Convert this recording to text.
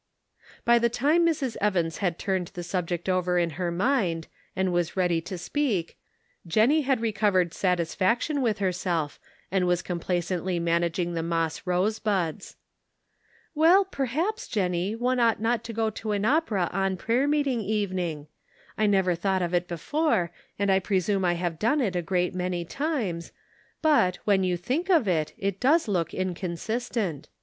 By the time Mrs. Evans had turned the sub Conflicting Duties. 215 ject over in her mind, and was ready to speak, Jennie had recovered satisfaction with herself and was complacently managing the moss rose buds. " Well, perhaps, Jennie, one ought not to go to an opera on prayer meeting evening. I never thought of it before, and I presume I have done it a great many times ; but, when you think of it, it does look inconsistent.